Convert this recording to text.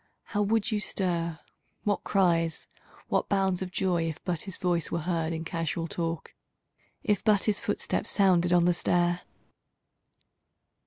How would you stir, what cries, what bounds of joy. If but his voice were heard in casual talk. If but his footstep sounded on the stair!